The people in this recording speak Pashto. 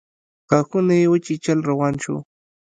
غاښونه يې وچيچل روان شو.